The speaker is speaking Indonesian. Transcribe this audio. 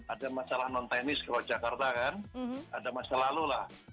ada masalah non teknis kalau jakarta kan ada masa lalu lah